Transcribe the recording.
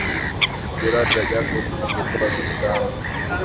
Jeraha la Jacob lilikuwa bichi sana